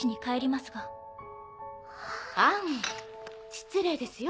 失礼ですよ。